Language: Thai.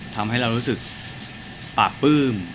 ทำให้เรารู้สึกปราบปลื้ม